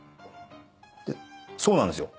そうなんですよ。